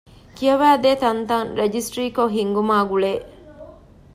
ކިޔަވައިދޭ ތަންތަން ރަޖިސްޓްރީ ކޮށް ހިންގުމާ ގުޅޭ